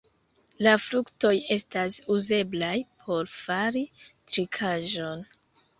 La fruktoj estas uzeblaj por fari trinkaĵon.